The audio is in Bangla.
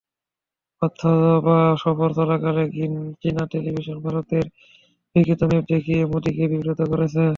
অথবা সফর চলাকালে চীনা টেলিভিশনে ভারতের বিকৃত ম্যাপ দেখিয়ে মোদিকে বিব্রত করেছে।